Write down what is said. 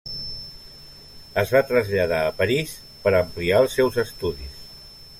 Es va traslladar a París per ampliar els seus estudis.